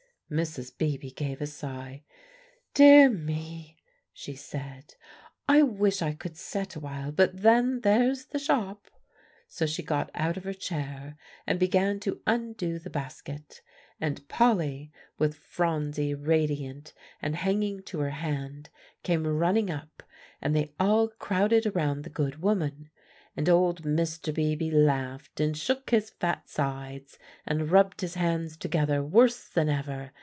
Mrs. Beebe gave a sigh. "Dear me," she said, "I wish I could set awhile; but then, there's the shop." So she got out of her chair, and began to undo the basket. And Polly, with Phronsie radiant, and hanging to her hand, came running up, and they all crowded around the good woman. And old Mr. Beebe laughed, and shook his fat sides, and rubbed his hands together worse than ever.